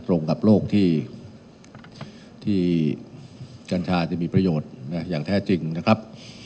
ตรงกับโลกที่กัญชาจะมีประโยชน์อย่างแท้จริงนะครับ